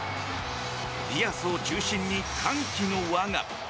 ディアスを中心に歓喜の輪が。